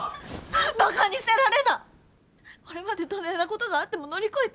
これまでどねんなことがあっても乗り越えてきたんじゃ。